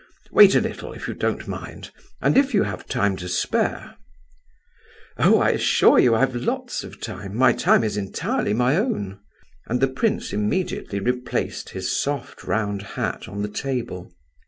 Wait a little, if you don't mind, and if you have time to spare?" "Oh, I assure you I've lots of time, my time is entirely my own!" And the prince immediately replaced his soft, round hat on the table.